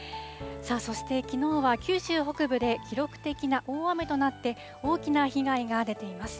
そしてきのうは九州北部で記録的な大雨となって、大きな被害が出ています。